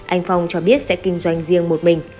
anh phong cho biết sẽ kinh doanh riêng một mình